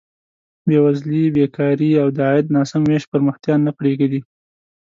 بېوزلي، بېکاري او د عاید ناسم ویش پرمختیا نه پرېږدي.